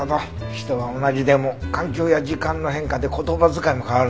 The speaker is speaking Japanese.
人は同じでも環境や時間の変化で言葉遣いも変わるんだね。